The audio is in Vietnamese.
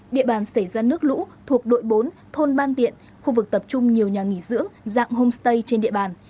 địa bàn xảy ra nước lũ thuộc đội bốn thôn ban tiện khu vực tập trung nhiều nhà nghỉ dưỡng dạng homestay trên địa bàn